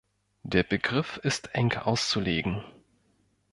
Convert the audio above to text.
Der Begriff ist eng auszulegen.